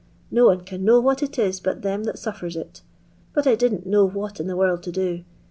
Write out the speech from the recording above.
No one can know what it is but them that suffers it But I didn't know what in the world to do.